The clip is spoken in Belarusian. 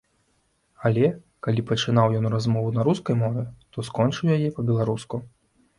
Але, калі пачынаў ён размову на рускай мове, то скончыў яе па-беларуску.